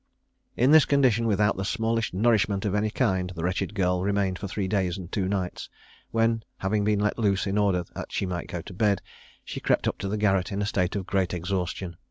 In this condition, without the smallest nourishment of any kind, the wretched girl remained for three days and two nights, when having been let loose, in order that she might go to bed, she crept up to the garret in a state of the greatest exhaustion.